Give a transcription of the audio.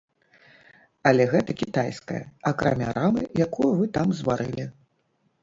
Але гэта кітайскае, акрамя рамы, якую вы там зварылі.